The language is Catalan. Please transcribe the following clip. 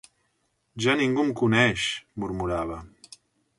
-Ja ningú em coneix!- murmurava